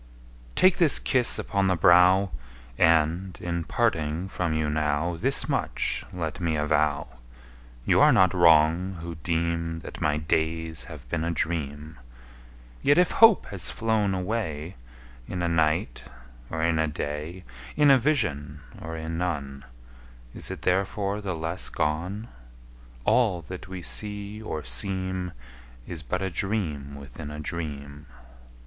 Take this kiss upon the brow! And, in parting from you now, Thus much let me avow You are not wrong, who deem That my days have been a dream: Yet if hope has flown away In a night, or in a day, In a vision or in none, Is it therefore the less gone? All that we see or seem Is but a dream within a dream.